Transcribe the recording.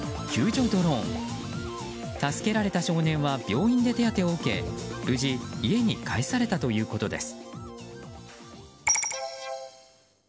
助けられた少年は病院で手当てを受け無事家に帰されたということです。